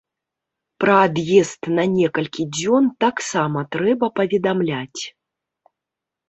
Пра ад'езд на некалькі дзён таксама трэба паведамляць.